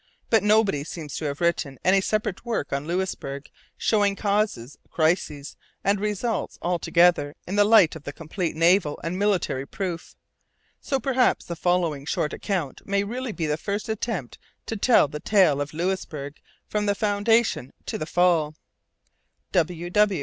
But nobody seems to have written any separate work on Louisbourg showing causes, crises, and results, all together, in the light of the complete naval and military proof. So perhaps the following short account may really be the first attempt to tell the tale of Louisbourg from the foundation to the fall.